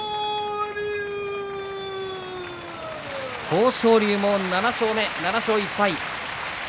豊昇龍も７勝目、７勝１敗。